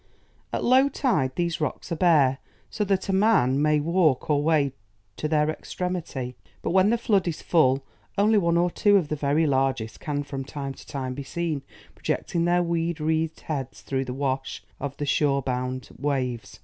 At low tide these rocks are bare, so that a man may walk or wade to their extremity, but when the flood is full only one or two of the very largest can from time to time be seen projecting their weed wreathed heads through the wash of the shore bound waves.